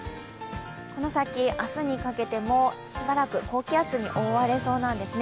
この先、明日にかけてもしばらく高気圧に覆われそうなんですね。